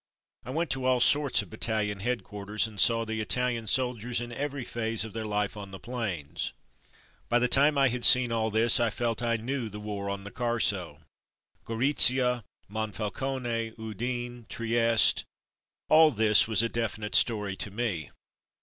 I went to all sorts of battalion headcjuarters and saw the Italian soldiers in every phase of their life on the plains. By the time I had seen all this I felt I "knew" the war on the Carso. Goritzia, Monfalcone, Udine, Trieste: all this was a definite story to me.